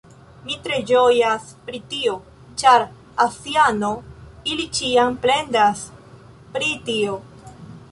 Mi tre ĝojas pri tio! ĉar aziano, ili ĉiam plendas pri tio